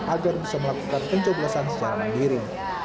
agar bisa melakukan pencoblosan secara mandiri